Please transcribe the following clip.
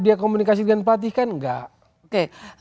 dia komunikasi dengan pelatih kan enggak